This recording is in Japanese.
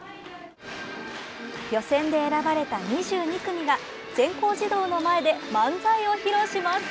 予選で選ばれた２２組が全校児童の前で漫才を披露します。